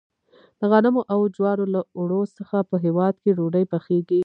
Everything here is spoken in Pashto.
د غنمو او جوارو له اوړو څخه په هیواد کې ډوډۍ پخیږي.